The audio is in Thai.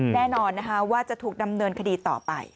แน่นอนนะคะว่าจะถูกดำเนินคดีต่อไป